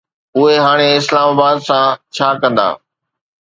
اهي هاڻي اسلام آباد سان ڇا ڪندا؟